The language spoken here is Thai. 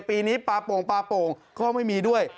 ปีนี้ปลาโป่งปลาโป่งก็ไม่มีด้วย